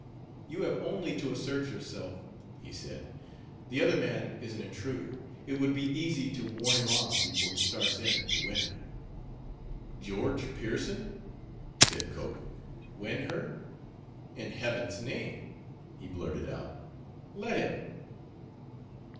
"You have only to assert yourself," he said. "The other man is an intruder; it would be easy to warn him off before he starts in to win her." "George Pearson?" said Cope. "Win her? In heaven's name," he blurted out, "let him!"